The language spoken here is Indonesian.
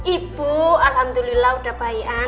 ibu alhamdulillah udah baian